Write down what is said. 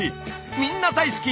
みんな大好き！